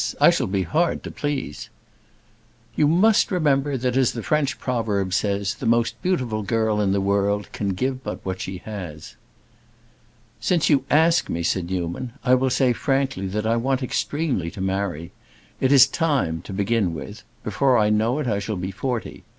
I shall be hard to please." "You must remember that, as the French proverb says, the most beautiful girl in the world can give but what she has." "Since you ask me," said Newman, "I will say frankly that I want extremely to marry. It is time, to begin with: before I know it I shall be forty.